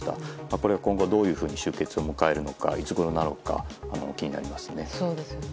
これが今後、どういうふうに終結を迎えるのかいつごろなのかが気になりますね。